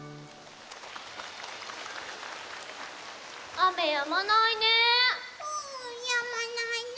あめやまないね。